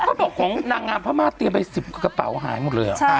เขาบอกของนางงามพม่าเตรียมไป๑๐กระเป๋าหายหมดเลยเหรอ